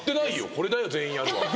これだよ全員やるは。